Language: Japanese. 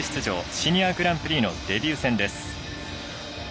シニアグランプリのデビュー戦です。